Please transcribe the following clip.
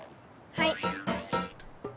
はい！